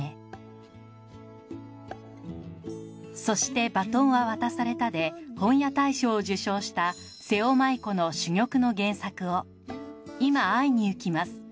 『そして、バトンは渡された』で本屋大賞を受賞した瀬尾まいこの珠玉の原作を『いま、会いにゆきます』